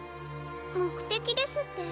もくてきですって？